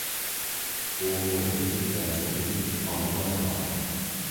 بۇ ئوبيېكتىپ ۋە سۇبيېكتىپ ئامىللارغا باغلىق.